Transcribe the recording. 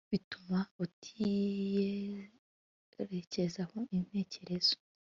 Bituma utiyerekezaho intekerezo